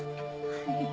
はい。